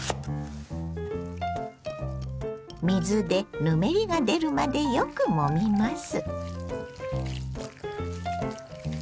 水でぬめりが出るまでよくもみます。